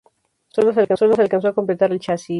Sólo se alcanzó a completar el chasis.